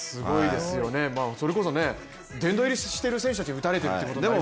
それこそ、殿堂入りしている選手たち打たれてるってことですから。